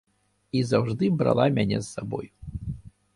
І заўжды брала мяне з сабой.